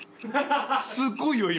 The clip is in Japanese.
すごいよ今。